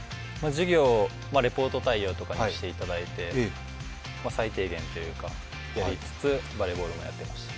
授業をレポート対応とかにしていただいて最低限というか、やりつつバレーボールもやっていました。